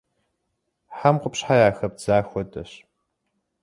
Хьэм къупщхьэ яхэбдза хуэдэщ.